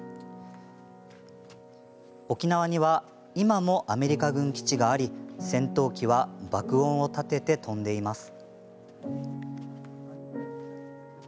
沖縄には今もアメリカ軍基地があり戦闘機は爆音を立てて飛んでいます。